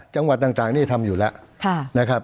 จังหวัดต่างนี่ทำอยู่แล้วนะครับ